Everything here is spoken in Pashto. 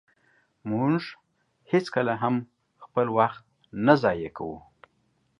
مونږ هيڅکله هم خپل وخت نه ضایع کوو.